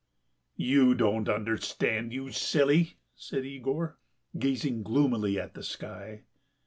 "You don't understand, you silly," said Yegor, gazing gloomily at the sky.